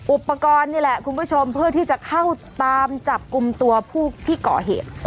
อุปกรณ์นี่แหละคุณผู้ชมเพื่อที่จะเข้าตามจับกลุ่มตัวผู้ที่ก่อเหตุ